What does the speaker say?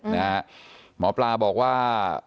หมอปลาบอกว่า